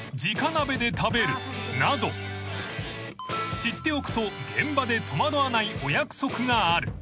［知っておくと現場で戸惑わないお約束がある］